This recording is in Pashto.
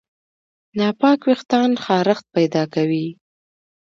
ناپاک وېښتيان خارښت پیدا کوي.